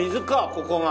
ここが。